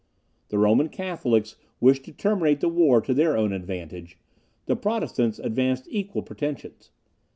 The Roman Catholics wished to terminate the war to their own advantage; the Protestants advanced equal pretensions.